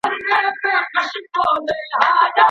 ولي د هدف لپاره دوامداره تنده تر لیاقت اغیزمنه ده؟